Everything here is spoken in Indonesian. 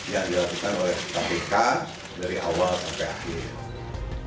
yang dilakukan oleh kpk dari awal sampai akhir